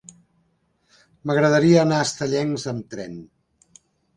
M'agradaria anar a Estellencs amb tren.